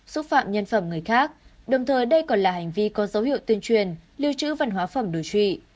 xúc phạm nhân phẩm người khác đồng thời đây còn là hành vi có dấu hiệu tuyên truyền lưu trữ văn hóa phẩm đồ trị